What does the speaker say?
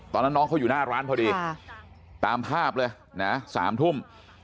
ตอนนั้นน้องเขาอยู่หน้าร้านพอดีตามภาพเลยนะ๓ทุ่ม